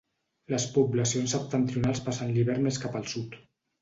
Les poblacions septentrionals passen l'hivern més cap al sud.